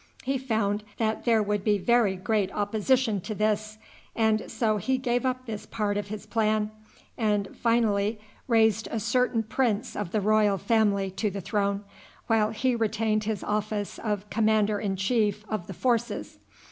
He found that there would be very great opposition to this, and so he gave up this part of his plan, and finally raised a certain prince of the royal family to the throne, while he retained his office of commander in chief of the forces.